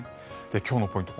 今日のポイント